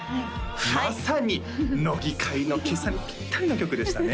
まさに乃木回の今朝にピッタリの曲でしたね